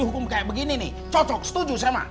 hukum kayak begini nih cocok setuju sama